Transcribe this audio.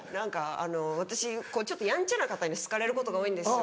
私やんちゃな方に好かれることが多いんですよ